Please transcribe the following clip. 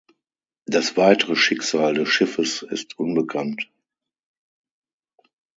Das weitere Schicksal des Schiffes ist unbekannt.